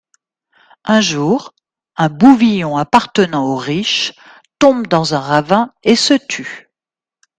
Un jour, un bouvillon appartenant au riche tombe dans un ravin et se tue.